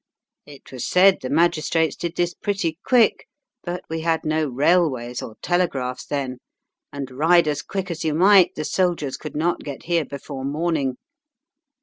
It was said the magistrates did this pretty quick, but we had no railways or telegraphs then, and, ride as quick as you might, the soldiers could not get here before morning.